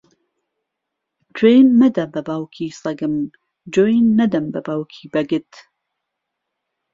جوێن مەدە بە باوکی سەگم، جوێن نەدەم بە باوکی بەگت.